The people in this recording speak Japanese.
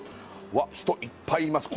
わっ人いっぱいいます